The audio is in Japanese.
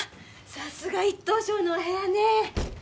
さすが１等賞のお部屋ね。